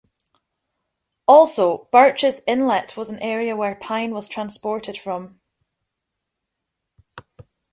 Also Birch's Inlet was an area where pine was transported from.